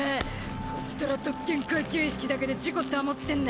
こちとら特権階級意識だけで自己保ってんだ。